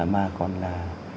mà còn là